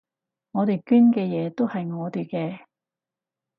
我哋捐嘅嘢都係我哋嘅